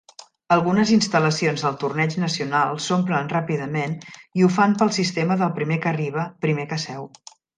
Algunes instal·lacions del Torneig Nacional s'omplen ràpidament i ho fan pel sistema del primer que arriba, primer que seu.